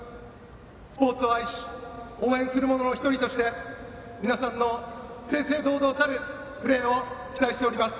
スポーツを愛し応援する者の１人として皆さんの正々堂々たるプレーを期待しております。